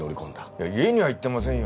いや家には行ってませんよ。